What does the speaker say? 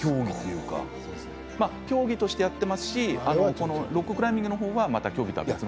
競技としてやっていますしロッククライミングの方は競技とは別の。